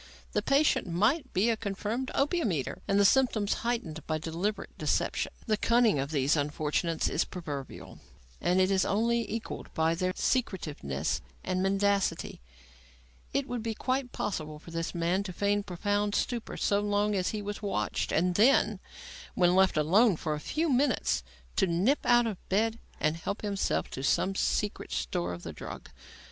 The patient might be a confirmed opium eater, and the symptoms heightened by deliberate deception. The cunning of these unfortunates is proverbial and is only equalled by their secretiveness and mendacity. It would be quite possible for this man to feign profound stupor so long as he was watched, and then, when left alone for a few minutes, to nip out of bed and help himself from some secret store of the drug.